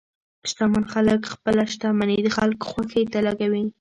شتمن خلک خپل شتمني د خلکو خوښۍ ته لګوي.